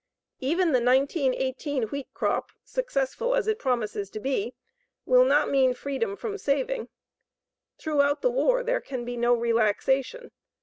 Even the 1918 wheat crop, successful as it promises to be, will not mean freedom from saving. Throughout the war there can be no relaxation.